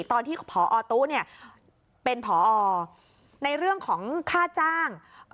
ตอนที่พอตู้เป็นผอในเรื่องของค่าจ้าง